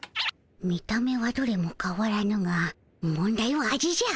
見た目はどれもかわらぬが問題は味じゃ。